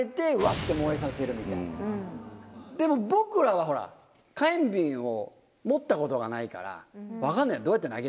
でも僕らは火炎瓶を持ったことがないから分かんない。